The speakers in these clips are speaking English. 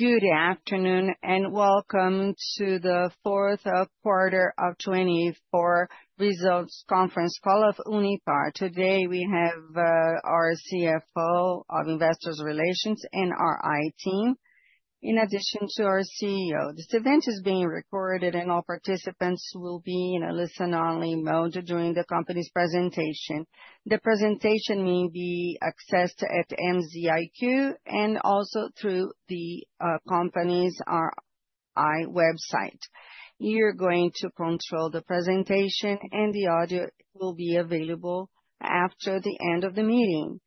Good afternoon and welcome to the fourth quarter of 2024 results conference call of Unipar. Today we have our CFO of Investor Relations and our IR team, in addition to our CEO. This event is being recorded and all participants will be in a listen-only mode during the company's presentation. The presentation may be accessed at MZIQ and also through the company's website. You are going to control the presentation and the audio will be available after the end of the meeting.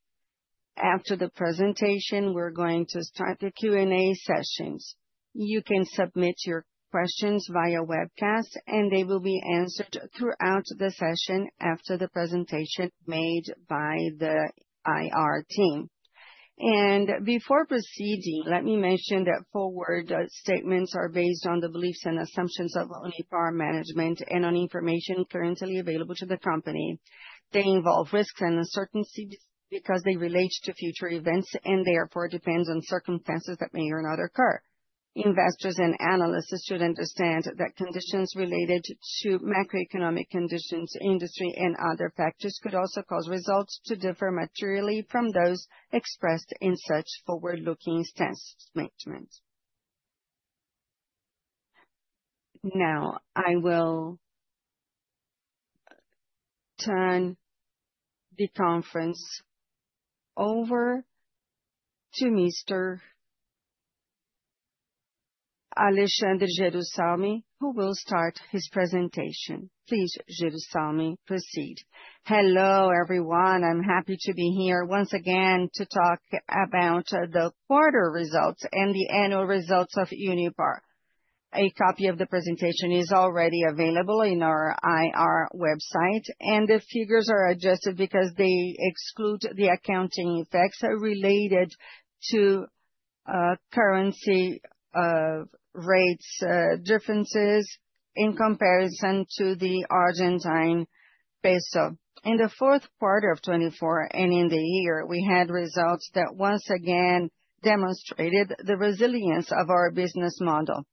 After the presentation, we are going to start the Q&A sessions. You can submit your questions via webcast and they will be answered throughout the session after the presentation made by the IR team. Before proceeding, let me mention that forward statements are based on the beliefs and assumptions of Unipar Management and on information currently available to the company. They involve risks and uncertainties because they relate to future events and therefore depend on circumstances that may or may not occur. Investors and analysts should understand that conditions related to macroeconomic conditions, industry, and other factors could also cause results to differ materially from those expressed in such forward-looking statements. Now, I will turn the conference over to Mr. Alexandre Jerussalmy, who will start his presentation. Please, Jerussalmy, proceed. Hello everyone. I'm happy to be here once again to talk about the quarter results and the annual results of Unipar. A copy of the presentation is already available on our IR website and the figures are adjusted because they exclude the accounting effects related to currency rates differences in comparison to the Argentine peso. In the fourth quarter of 2024 and in the year, we had results that once again demonstrated the resilience of our business model.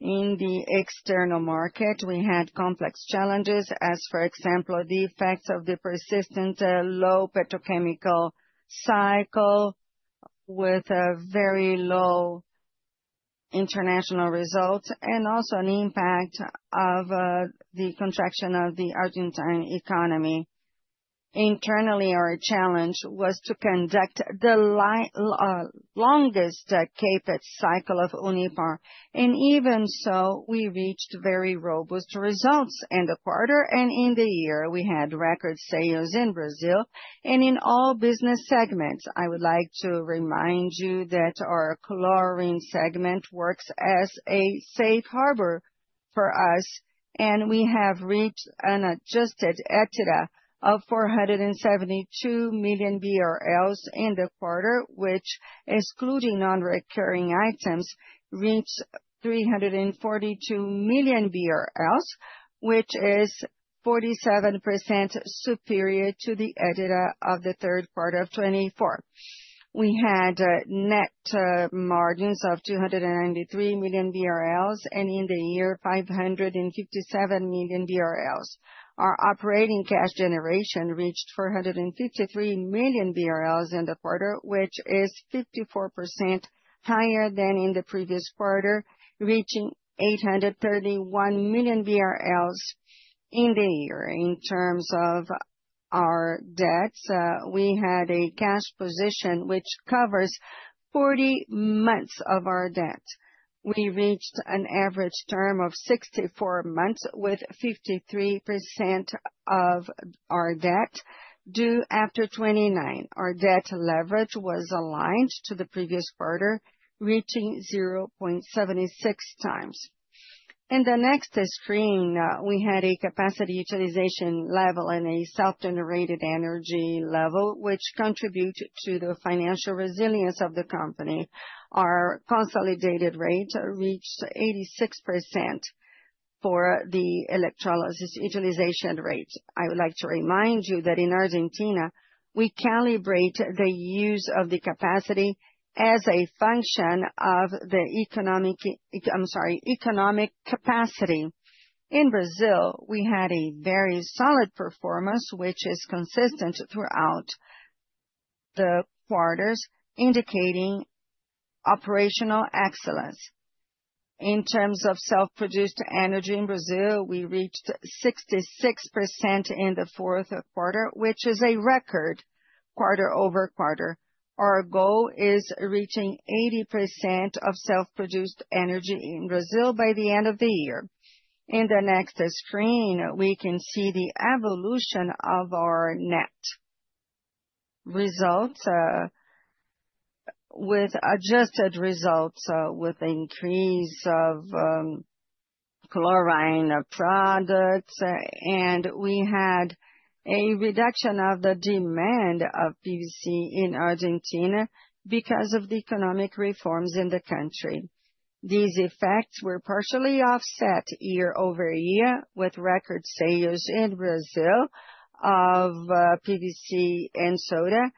In the external market, we had complex challenges, as for example, the effects of the persistent low petrochemical cycle with very low international results and also an impact of the contraction of the Argentine economy. Internally, our challenge was to conduct the longest capex cycle of Unipar. Even so, we reached very robust results in the quarter and in the year. We had record sales in Brazil and in all business segments. I would like to remind you that our chlorine segment works as a safe harbor for us and we have reached an adjusted EBITDA of 472 million BRL in the quarter, which, excluding non-recurring items, reached 342 million BRL, which is 47% superior to the EBITDA of the third quarter of 2024. We had net margins of 293 million BRL and in the year, 557 million BRL. Our operating cash generation reached 453 million BRL in the quarter, which is 54% higher than in the previous quarter, reaching 831 million in the year. In terms of our debts, we had a cash position which covers 40 months of our debt. We reached an average term of 64 months with 53% of our debt due after 2029. Our debt leverage was aligned to the previous quarter, reaching 0.76 times. In the next screen, we had a capacity utilization level and a self-generated energy level, which contribute to the financial resilience of the company. Our consolidated rate reached 86% for the electrolysis utilization rate. I would like to remind you that in Argentina, we calibrate the use of the capacity as a function of the economic, I'm sorry, economic capacity. In Brazil, we had a very solid performance, which is consistent throughout the quarters, indicating operational excellence. In terms of self-produced energy in Brazil, we reached 66% in the fourth quarter, which is a record quarter-over-quarter. Our goal is reaching 80% of self-produced energy in Brazil by the end of the year. In the next screen, we can see the evolution of our net results with adjusted results with increase of chlorine products, and we had a reduction of the demand of PVC in Argentina because of the economic reforms in the country. These effects were partially offset year over year with record sales in Brazil of PVC and soda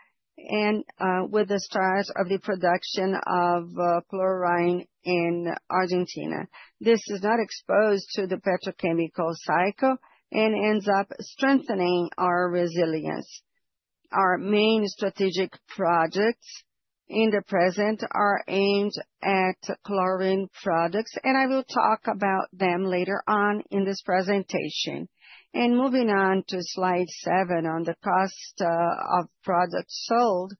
and with the start of the production of chlorine in Argentina. This is not exposed to the petrochemical cycle and ends up strengthening our resilience. Our main strategic projects in the present are aimed at chlorine products, and I will talk about them later on in this presentation. Moving on to slide seven on the cost of products sold,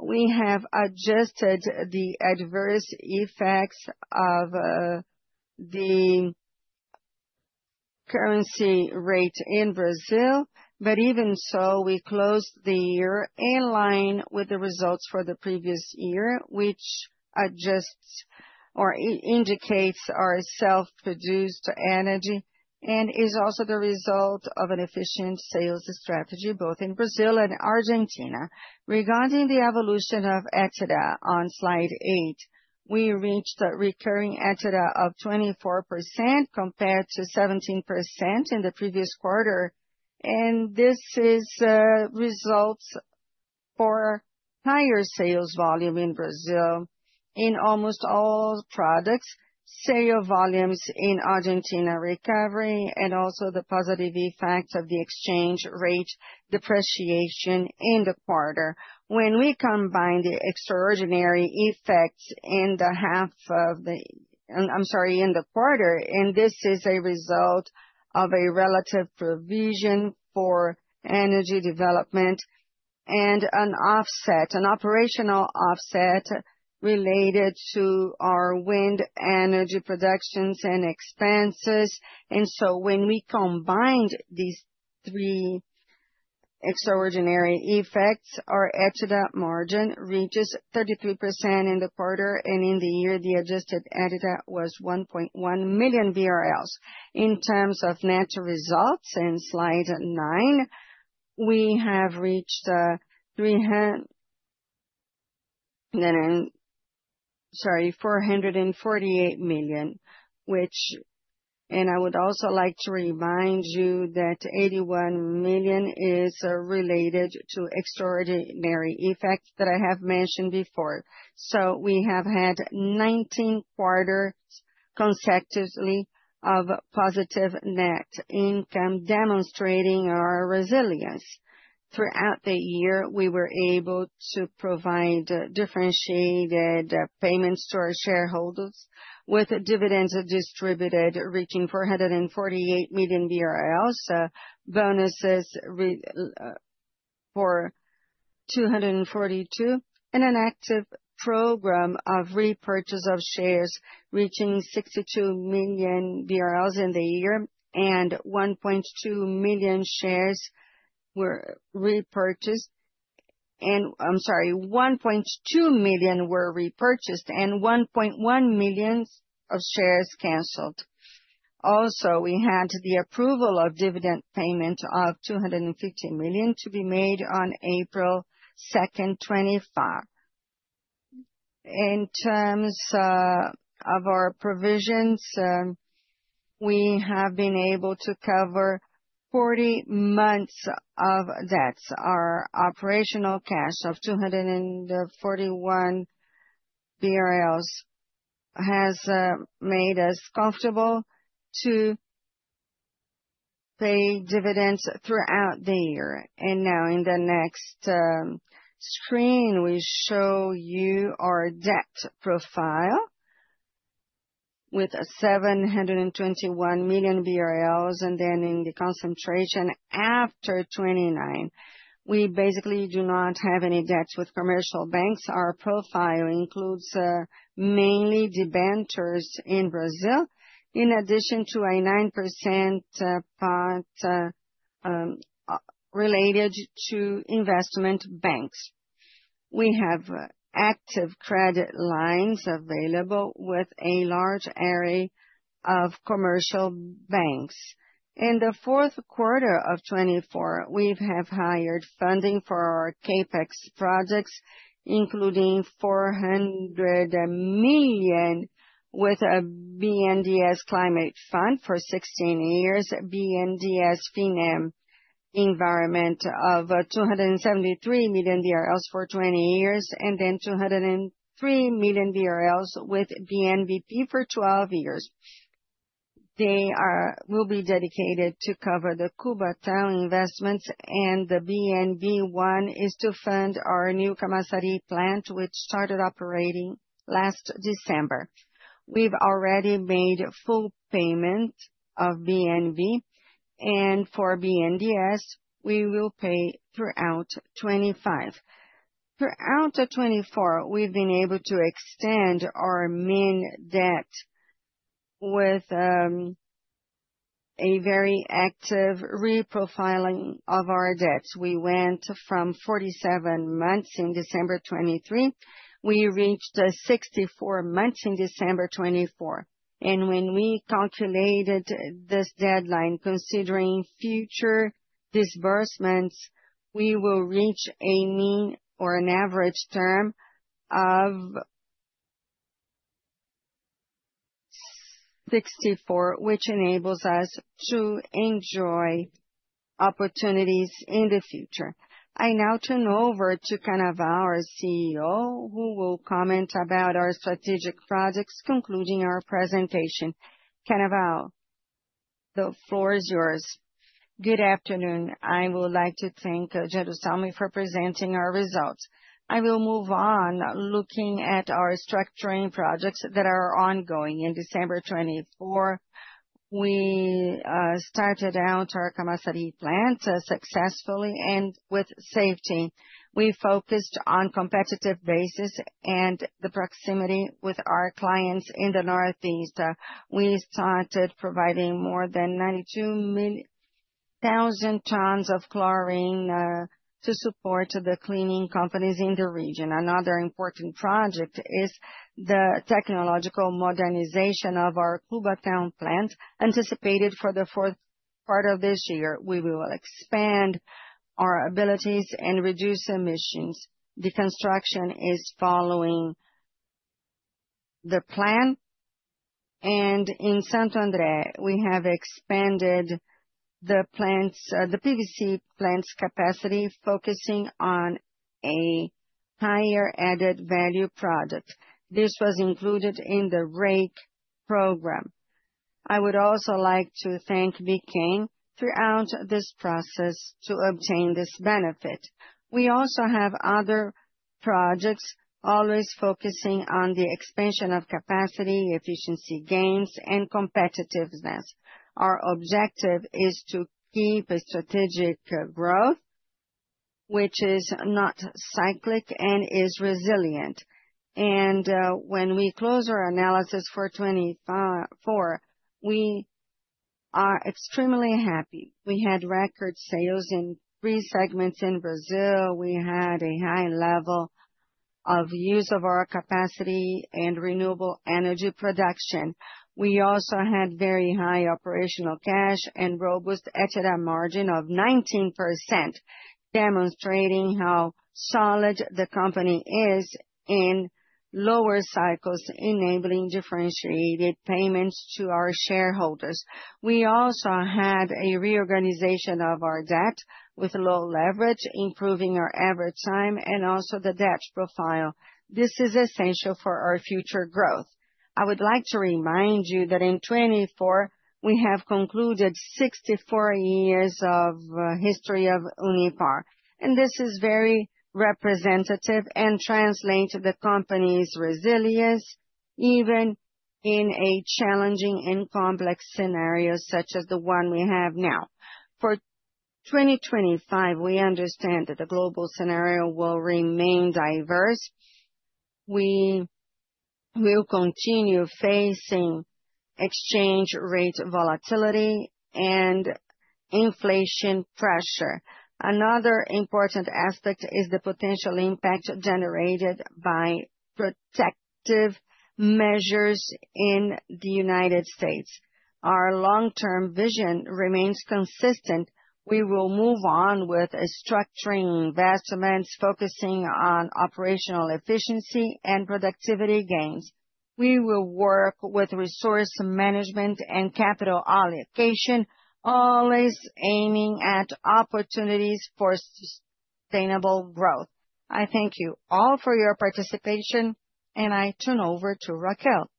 we have adjusted the adverse effects of the currency rate in Brazil, but even so, we closed the year in line with the results for the previous year, which adjusts or indicates our self-produced energy and is also the result of an efficient sales strategy both in Brazil and Argentina. Regarding the evolution of EBITDA on slide eight, we reached a recurring EBITDA of 24% compared to 17% in the previous quarter, and this is results for higher sales volume in Brazil in almost all products, sale volumes in Argentina recovery, and also the positive effects of the exchange rate depreciation in the quarter. When we combine the extraordinary effects in the half of the, I'm sorry, in the quarter, and this is a result of a relative provision for energy development and an offset, an operational offset related to our wind energy productions and expenses. When we combine these three extraordinary effects, our EBITDA margin reaches 33% in the quarter, and in the year, the adjusted EBITDA was 1.1 million BRL. In terms of net results in slide nine, we have reached 448 million, which, and I would also like to remind you that 81 million is related to extraordinary effects that I have mentioned before. We have had 19 quarters consecutively of positive net income demonstrating our resilience. Throughout the year, we were able to provide differentiated payments to our shareholders with dividends distributed reaching 448 million BRL, bonuses for 242 million, and an active program of repurchase of shares reaching 62 million BRL in the year, and 1.2 million shares were repurchased, and, I'm sorry, 1.2 million were repurchased and 1.1 million of shares canceled. Also, we had the approval of dividend payment of 250 million to be made on April 2, 2025. In terms of our provisions, we have been able to cover 40 months of debts. Our operational cash of 241 million BRL has made us comfortable to pay dividends throughout the year. Now in the next screen, we show you our debt profile with 721 million BRL, and then in the concentration after 2029, we basically do not have any debts with commercial banks. Our profile includes mainly debtors in Brazil, in addition to a 9% part related to investment banks. We have active credit lines available with a large area of commercial banks. In the fourth quarter of 2024, we have hired funding for our capex projects, including 400 million with a BNDES Climate Fund for 16 years, BNDES Finem Environment of 273 million for 20 years, and then 203 million with BNB for 12 years. They will be dedicated to cover the Cubatão investments, and the BNB one is to fund our new commodity plant, which started operating last December. We've already made full payment of BNB, and for BNDES, we will pay throughout 2025. Throughout 2024, we've been able to extend our main debt with a very active reprofiling of our debts. We went from 47 months in December 2023; we reached 64 months in December 2024. When we calculated this deadline, considering future disbursements, we will reach a mean or an average term of 64, which enables us to enjoy opportunities in the future. I now turn over to Cannaval, our CEO, who will comment about our strategic projects, concluding our presentation. Cannaval, the floor is yours. Good afternoon. I would like to thank Jerussalmy for presenting our results. I will move on looking at our structuring projects that are ongoing. In December 2024, we started out our commodity plant successfully and with safety. We focused on a competitive basis and the proximity with our clients in the Northeast. We started providing more than 92,000 tons of chlorine to support the cleaning companies in the region. Another important project is the technological modernization of our Cubatão plant anticipated for the fourth quarter of this year. We will expand our abilities and reduce emissions. The construction is following the plan. In Santo André, we have expanded the PVC plant's capacity, focusing on a higher added value product. This was included in the REIQ program. I would also like to thank Abiquim throughout this process to obtain this benefit. We also have other projects, always focusing on the expansion of capacity, efficiency gains, and competitiveness. Our objective is to keep strategic growth, which is not cyclic and is resilient. When we close our analysis for 2024, we are extremely happy. We had record sales in three segments in Brazil. We had a high level of use of our capacity and renewable energy production. We also had very high operational cash and robust EBITDA margin of 19%, demonstrating how solid the company is in lower cycles, enabling differentiated payments to our shareholders. We also had a reorganization of our debt with low leverage, improving our average time and also the debt profile. This is essential for our future growth. I would like to remind you that in 2024, we have concluded 64 years of history of Unipar, and this is very representative and translates to the company's resilience even in a challenging and complex scenario such as the one we have now. For 2025, we understand that the global scenario will remain diverse. We will continue facing exchange rate volatility and inflation pressure. Another important aspect is the potential impact generated by protective measures in the United States. Our long-term vision remains consistent. We will move on with structuring investments, focusing on operational efficiency and productivity gains. We will work with resource management and capital allocation, always aiming at opportunities for sustainable growth. I thank you all for your participation, and I turn over to Raquel.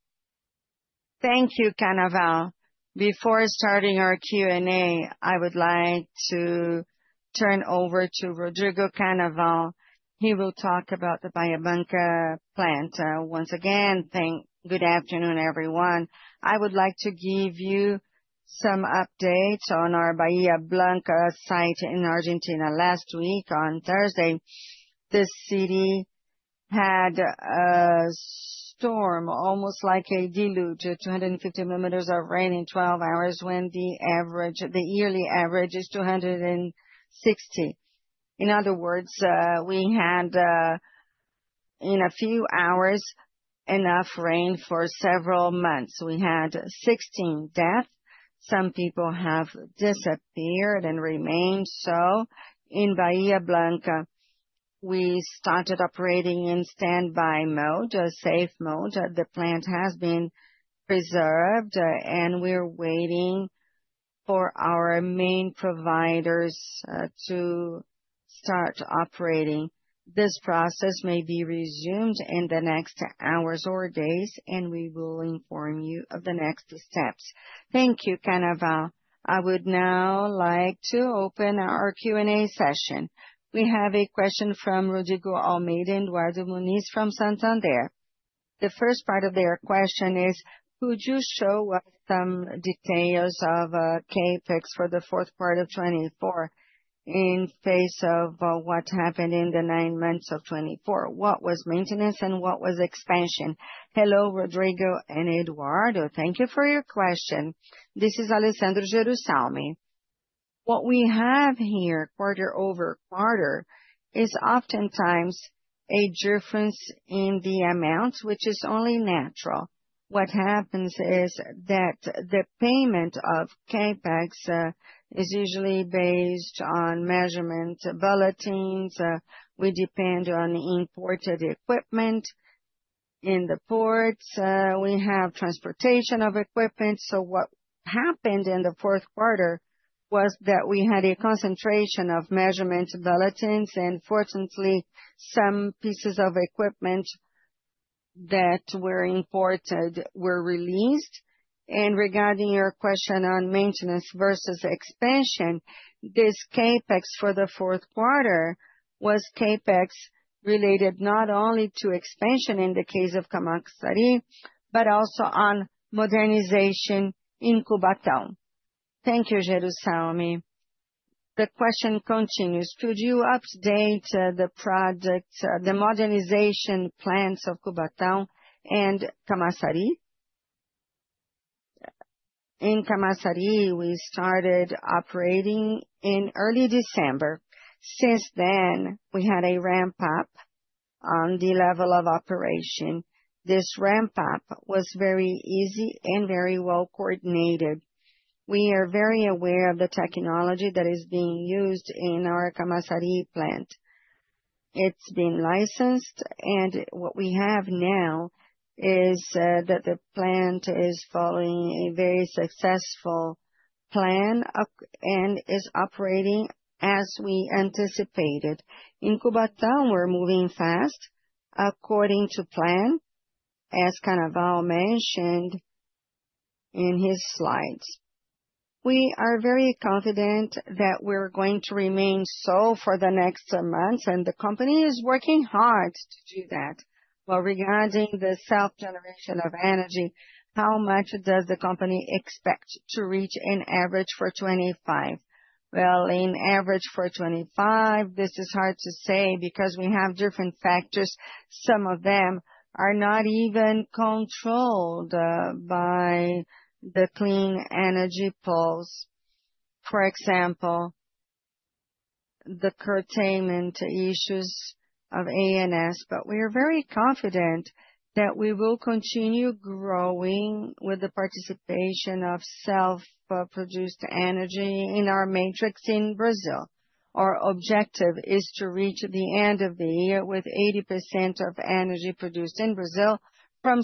Thank you, Cannaval. Before starting our Q&A, I would like to turn over to Rodrigo Cannaval. He will talk about the Bahía Blanca plant. Once again, good afternoon, everyone. I would like to give you some updates on our Bahía Blanca site in Argentina last week on Thursday. This city had a storm, almost like a deluge, 250 millimeters of rain in 12 hours when the average, the yearly average is 260. In other words, we had, in a few hours, enough rain for several months. We had 16 deaths. Some people have disappeared and remained so. In Bahía Blanca, we started operating in standby mode, a safe mode. The plant has been preserved, and we're waiting for our main providers to start operating. This process may be resumed in the next hours or days, and we will inform you of the next steps. Thank you, Cannaval. I would now like to open our Q&A session. We have a question from Rodrigo Almeida and Eduardo Muñoz from Santander. The first part of their question is, could you show us some details of capex for the fourth quarter of 2024 in face of what happened in the nine months of 2024? What was maintenance and what was expansion? Hello, Rodrigo and Eduardo. Thank you for your question. This is Alexandre Jerussalmy. What we have here, quarter-over-quarter, is oftentimes a difference in the amount, which is only natural. What happens is that the payment of capex is usually based on measurement bulletins. We depend on imported equipment in the ports. We have transportation of equipment. What happened in the fourth quarter was that we had a concentration of measurement bulletins, and fortunately, some pieces of equipment that were imported were released. Regarding your question on maintenance versus expansion, this capex for the fourth quarter was capex related not only to expansion in the case of Camaçari, but also on modernization in Cubatão. Thank you, Jerussalmy. The question continues. Could you update the project, the modernization plans of Cubatão and Camaçari? In Camaçari, we started operating in early December. Since then, we had a ramp-up on the level of operation. This ramp-up was very easy and very well coordinated. We are very aware of the technology that is being used in our Camaçari plant. It's been licensed, and what we have now is that the plant is following a very successful plan and is operating as we anticipated. In Cubatão, we're moving fast according to plan, as Cannaval mentioned in his slides. We are very confident that we're going to remain so for the next months, and the company is working hard to do that. Regarding the self-generation of energy, how much does the company expect to reach on average for 2025? In average for 2025, this is hard to say because we have different factors. Some of them are not even controlled by the clean energy pools. For example, the curtailment issues of ONS, but we are very confident that we will continue growing with the participation of self-produced energy in our matrix in Brazil. Our objective is to reach the end of the year with 80% of energy produced in Brazil from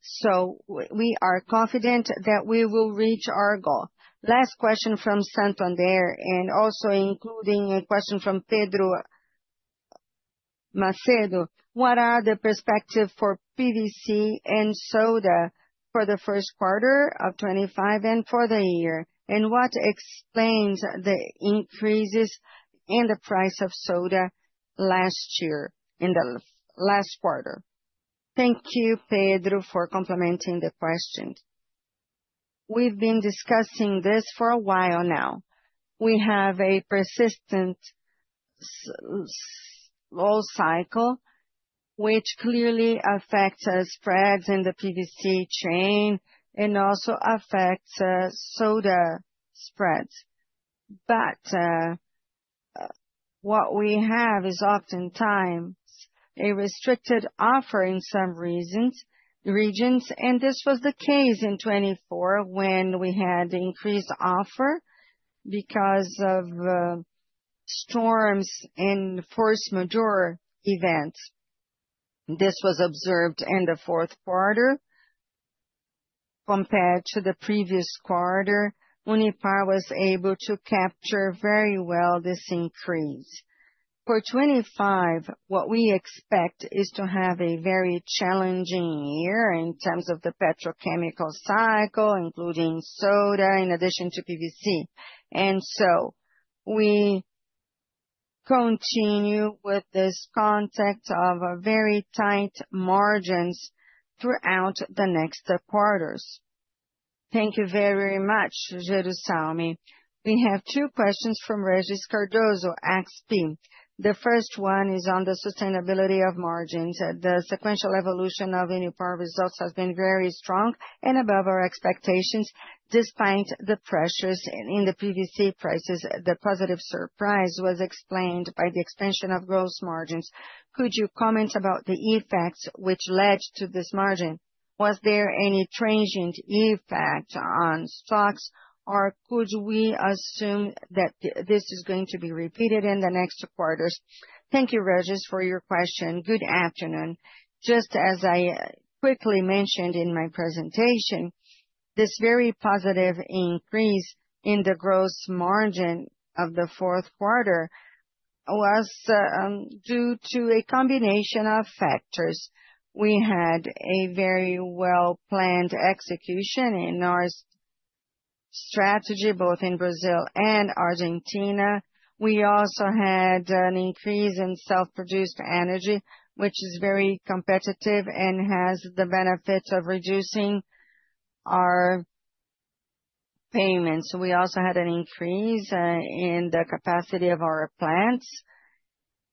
self-production. We are confident that we will reach our goal. Last question from Santander and also including a question from Pedro Macedo. What are the perspectives for PVC and soda for the first quarter of 2025 and for the year? What explains the increases in the price of soda last year in the last quarter? Thank you, Pedro, for complementing the question. We have been discussing this for a while now. We have a persistent low cycle, which clearly affects spreads in the PVC chain and also affects soda spreads. What we have is oftentimes a restricted offer in some regions, and this was the case in 2024 when we had increased offer because of storms and force majeure events. This was observed in the fourth quarter. Compared to the previous quarter, Unipar was able to capture very well this increase. For 2025, what we expect is to have a very challenging year in terms of the petrochemical cycle, including soda in addition to PVC. We continue with this concept of very tight margins throughout the next quarters. Thank you very, very much, Jerussalmy. We have two questions from Regis Cardoso, XP. The first one is on the sustainability of margins. The sequential evolution of Unipar results has been very strong and above our expectations. Despite the pressures in the PVC prices, the positive surprise was explained by the expansion of gross margins. Could you comment about the effects which led to this margin? Was there any transient effect on stocks, or could we assume that this is going to be repeated in the next quarters? Thank you, Regis, for your question. Good afternoon. Just as I quickly mentioned in my presentation, this very positive increase in the gross margin of the fourth quarter was due to a combination of factors. We had a very well-planned execution in our strategy, both in Brazil and Argentina. We also had an increase in self-produced energy, which is very competitive and has the benefit of reducing our payments. We also had an increase in the capacity of our plants,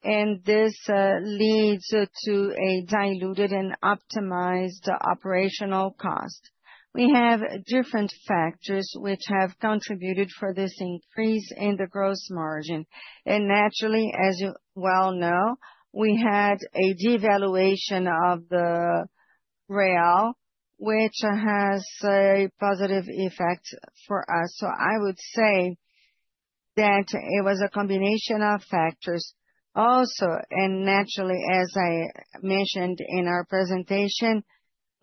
and this leads to a diluted and optimized operational cost. We have different factors which have contributed for this increase in the gross margin. Naturally, as you well know, we had a devaluation of the real, which has a positive effect for us. I would say that it was a combination of factors. Also, naturally, as I mentioned in our presentation,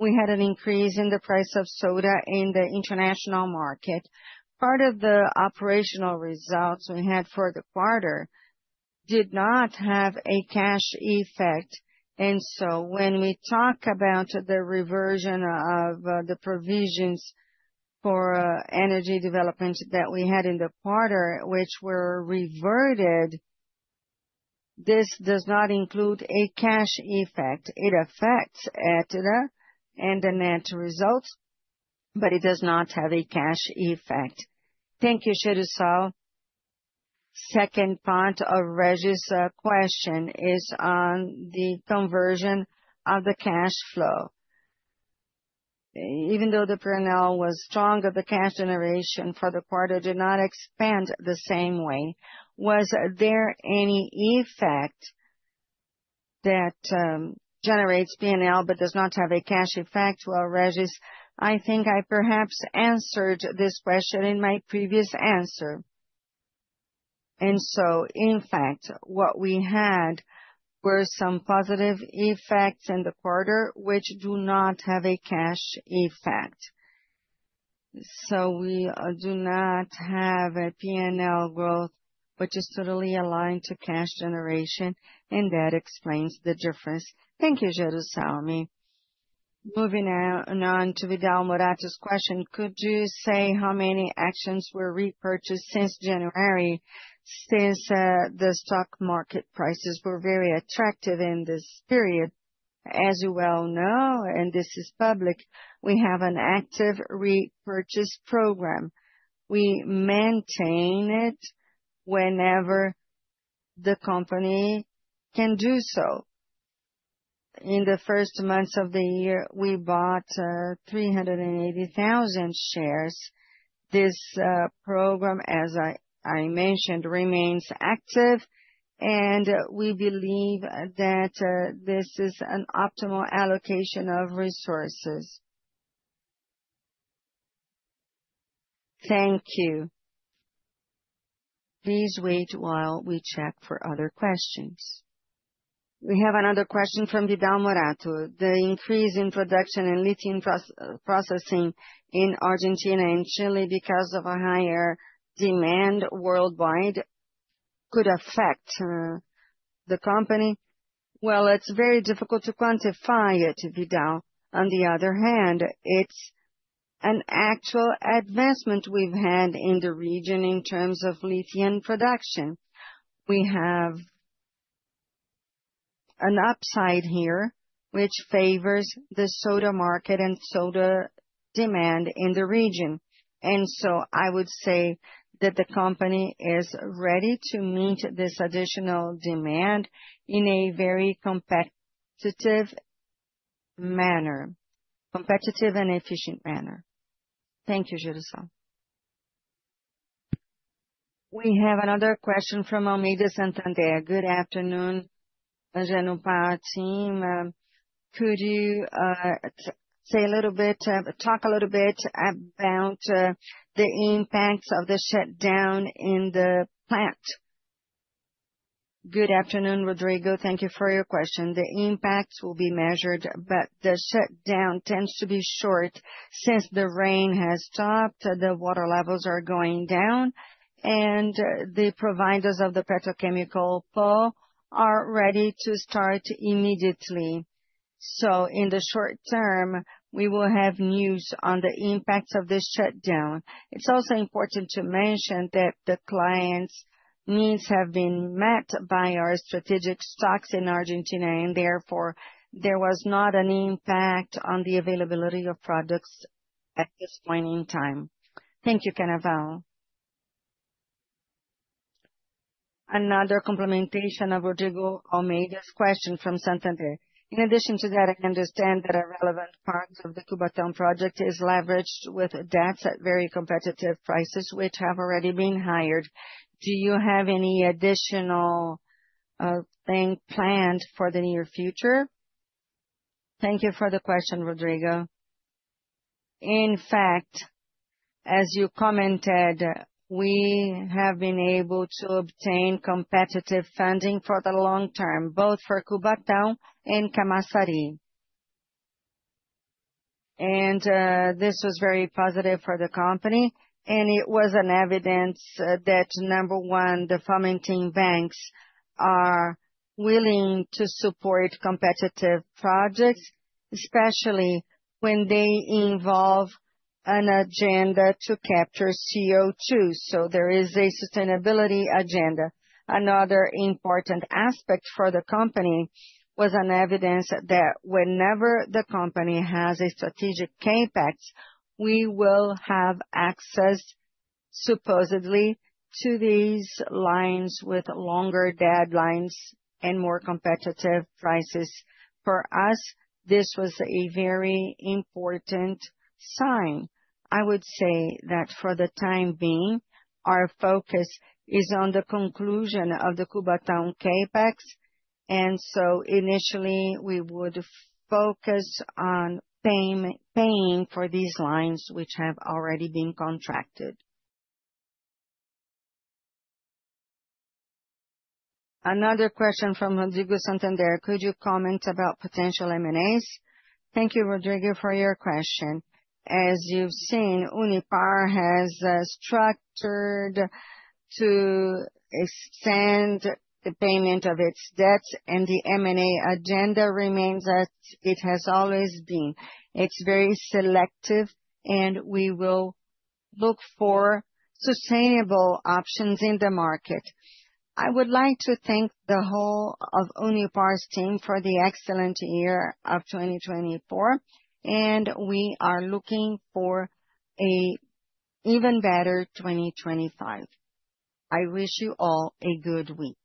we had an increase in the price of soda in the international market. Part of the operational results we had for the quarter did not have a cash effect. When we talk about the reversion of the provisions for energy development that we had in the quarter, which were reverted, this does not include a cash effect. It affects EBITDA and the net result, but it does not have a cash effect. Thank you, Jerussalmy. Second part of Regis's question is on the conversion of the cash flow. Even though the P&L was strong, the cash generation for the quarter did not expand the same way. Was there any effect that generates P&L but does not have a cash effect? I think I perhaps answered this question in my previous answer. In fact, what we had were some positive effects in the quarter, which do not have a cash effect. We do not have a P&L growth, which is totally aligned to cash generation, and that explains the difference. Thank you, Jerussalmy. Moving on to [Vidal] question, could you say how many actions were repurchased since January, since the stock market prices were very attractive in this period? As you well know, and this is public, we have an active repurchase program. We maintain it whenever the company can do so. In the first months of the year, we bought 380,000 shares. This program, as I mentioned, remains active, and we believe that this is an optimal allocation of resources. Thank you. Please wait while we check for other questions. We have another question from [Vidal]. The increase in production and lithium processing in Argentina and Chile because of a higher demand worldwide could affect the company? Well It is very difficult to quantify it, [Vidal]. On the other hand, it's an actual advancement we've had in the region in terms of lithium production. We have an upside here, which favors the soda market and soda demand in the region. I would say that the company is ready to meet this additional demand in a very competitive manner, competitive and efficient manner. Thank you, Jerussalmy. We have another question from Almeida Santander. Good afternoon, Unipar team. Could you say a little bit, talk a little bit about the impacts of the shutdown in the plant? Good afternoon, Rodrigo. Thank you for your question. The impacts will be measured, but the shutdown tends to be short. Since the rain has stopped, the water levels are going down, and the providers of the petrochemical Polo are ready to start immediately. In the short term, we will have news on the impacts of this shutdown. It's also important to mention that the clients' needs have been met by our strategic stocks in Argentina, and therefore there was not an impact on the availability of products at this point in time. Thank you, Canaval. Another complementation of Rodrigo Almeida's question from Santander. In addition to that, I understand that a relevant part of the Cubatão project is leveraged with debts at very competitive prices, which have already been hired. Do you have any additional thing planned for the near future? Thank you for the question, Rodrigo. In fact, as you commented, we have been able to obtain competitive funding for the long term, both for Cubatão and Camaçari. This was very positive for the company, and it was evident that, number one, the fomenting banks are willing to support competitive projects, especially when they involve an agenda to capture CO2. There is a sustainability agenda. Another important aspect for the company was evidence that whenever the company has a strategic capex, we will have access, supposedly, to these lines with longer deadlines and more competitive prices. For us, this was a very important sign. I would say that for the time being, our focus is on the conclusion of the Cubatão capex. Initially, we would focus on paying for these lines, which have already been contracted. Another question from Rodrigo at Santander. Could you comment about potential M&As? Thank you, Rodrigo, for your question. As you've seen, Unipar has structured to extend the payment of its debts, and the M&A agenda remains as it has always been. It's very selective, and we will look for sustainable options in the market. I would like to thank the whole of Unipar's team for the excellent year of 2024, and we are looking for an even better 2025. I wish you all a good week.